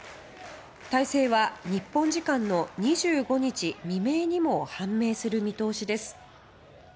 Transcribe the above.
大勢は日本時間の２５日未明にも判明する見通しです。